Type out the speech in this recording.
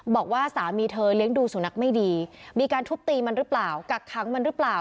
บอกว่าสามีเธอเลี้ยงดูสุนัขไม่ดีมีการทุบตีมันหรือเปล่ากักขังมันหรือเปล่า